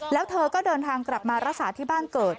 แล้วเธอก็เดินทางกลับมารักษาที่บ้านเกิด